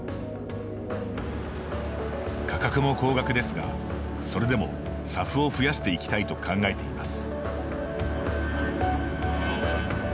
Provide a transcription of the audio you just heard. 価格も高額ですがそれでもＳＡＦを増やしていきたいと考えています。